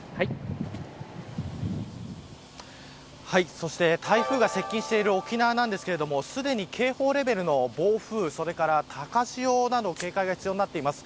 そして、台風が接近している沖縄なんですがすでに警報レベルの暴風それから高潮など警戒が必要になっています。